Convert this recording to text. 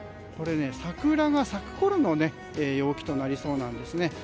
これ、桜が咲くころの陽気となりそうなんですね。